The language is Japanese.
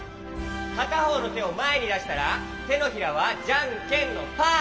かたほうのてをまえにだしたらてのひらはジャンケンのパー。